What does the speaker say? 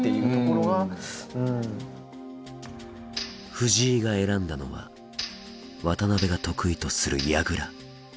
藤井が選んだのは渡辺が得意とする矢倉。